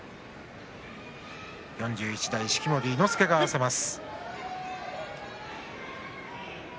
４１代式守伊之助が合わせます。